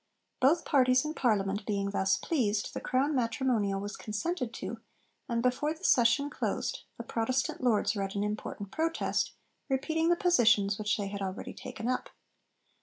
Both parties in Parliament being thus pleased, the Crown Matrimonial was consented to, and before the Session closed, the Protestant Lords read an important protest, repeating the positions which they had already taken up.